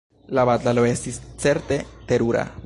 La batalo estis certe terura!